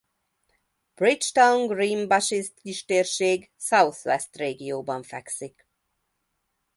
Bridgetown-Greenbushes kistérség South West régióban fekszik.